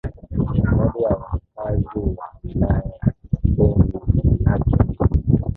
idadi ya wakazi wa wilaya ya same ni laki mbili